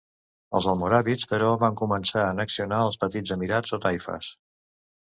Els almoràvits però van començar a annexionar els petits emirats o taifes.